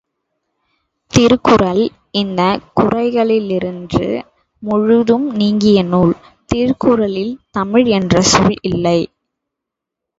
திருக்குறள் இந்தக் குறைகளின்று முழுதும் நீங்கிய நூல், திருக்குறளில் தமிழ் என்ற சொல் இல்லை.